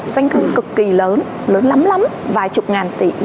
doanh thân cực kỳ lớn lớn lắm lắm vài chục ngàn tỷ